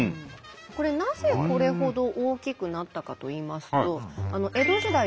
これなぜこれほど大きくなったかといいますと江戸時代